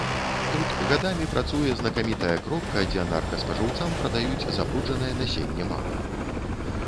Тут гадамі працуе знакамітая кропка, дзе наркаспажыўцам прадаюць забруджанае насенне маку.